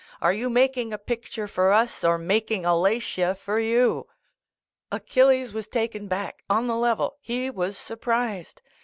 "Are you making a picture for us, or making Alatia for you?" Achilles was taken back. On the level, he was surprised !